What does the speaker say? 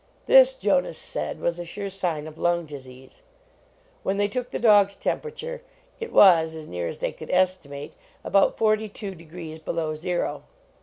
This, Jonas said, was a sure sign of lung disease. When they took the dog s temperature it was, as near as they could estimate, about forty two degrees below zero.